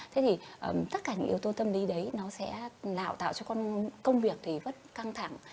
thế thì tất cả những yếu tố tâm lý đấy nó sẽ là tạo cho con công việc thì vẫn căng thẳng